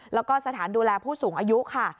แล้วก็สถานดูแลผู้สูงอายุค่ะ